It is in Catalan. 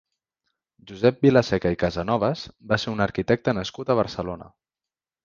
Josep Vilaseca i Casanovas va ser un arquitecte nascut a Barcelona.